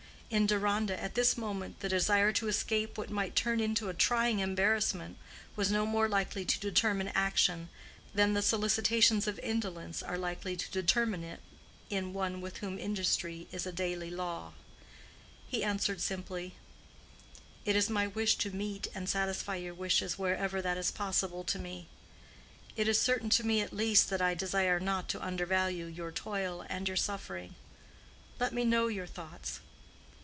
In Deronda at this moment the desire to escape what might turn into a trying embarrassment was no more likely to determine action than the solicitations of indolence are likely to determine it in one with whom industry is a daily law. He answered simply, "It is my wish to meet and satisfy your wishes wherever that is possible to me. It is certain to me at least that I desire not to undervalue your toil and your suffering. Let me know your thoughts.